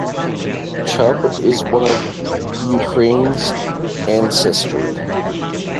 "Chub" is of Ukrainian ancestry.